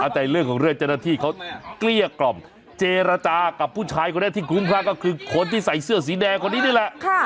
แต่เรื่องของเรื่องเจ้าหน้าที่เขาเกลี้ยกล่อมเจรจากับผู้ชายคนนี้ที่คุ้มคลั่งก็คือคนที่ใส่เสื้อสีแดงคนนี้นี่แหละ